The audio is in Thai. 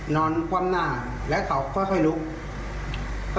นอนคว่ำหน้าแล้วเขาค่อยลุก